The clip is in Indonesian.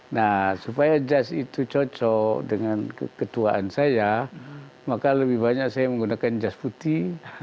nah supaya jas itu cocok dengan keketuaan saya maka lebih banyak saya menggunakan jas putih